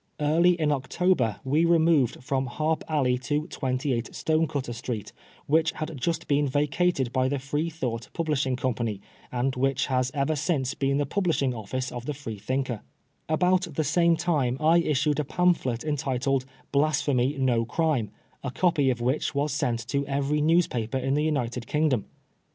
Early in October we removed from Harp Alley to 28 Stone cutter Street, which had just been vacated by the Free thought Publishing Company, and which has ever since been the publishing office of the Freethinker, About the same time I issued a pamphlet entitled " Blasphemy no Crime," a copy of which was sent to every news paper in the United Kingdom.